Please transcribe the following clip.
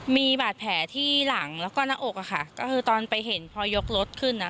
มีบาดแผลที่หลังแล้วก็หน้าอกอะค่ะก็คือตอนไปเห็นพอยกรถขึ้นอ่ะ